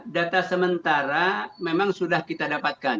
data sementara memang sudah kita dapatkan